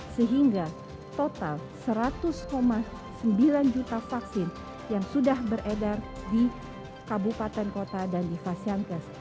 sehingga total seratus sembilan juta vaksin yang sudah beredar di kabupaten kota dan di fasiankes